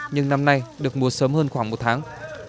nhưng năm nay được mùa sớm hơn khoảng một tháng